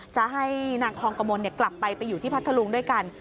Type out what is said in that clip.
จะให้นางคองกระมนกลับไปไปอยู่ที่พัทธลุงด้วยกัน